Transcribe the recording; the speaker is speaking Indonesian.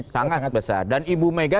sangat besar dan ibu mega